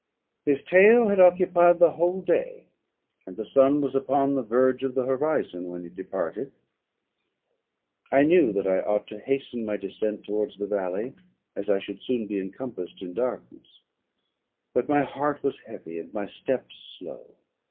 His tale had occupied the whole day; and the sun was upon the verge of the horizon when he departed. I knew that I ought to hasten my descent towards the valley, as I should soon be encompassed in darkness; but my heart was heavy, and my steps slow.